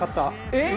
えっ！